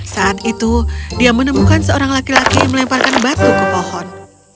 saat itu dia menemukan seorang laki laki melemparkan batu ke pohon